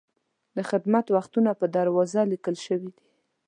د خدمت وختونه په دروازه لیکل شوي دي.